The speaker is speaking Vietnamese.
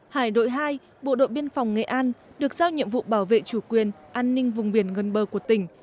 hải đội hai bộ đội biên phòng nghệ an được giao nhiệm vụ bảo vệ chủ quyền an ninh vùng biển gần bờ của tỉnh